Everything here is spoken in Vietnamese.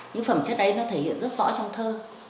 những phẩm chất ấy nó thể hiện rất rõ trong thơ